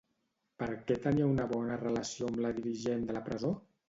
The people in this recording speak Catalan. Per què tenia una bona relació amb la dirigent de la presó?